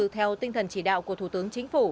theo tinh thần chỉ đạo của thủ tướng